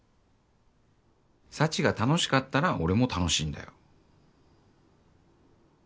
幸が楽しかったら俺も楽しいんだよ。